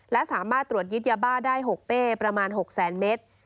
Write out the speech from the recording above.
และสามารถตรวจยึดยาบ้าได้๖เป้ประมาณ๖แสนเมตร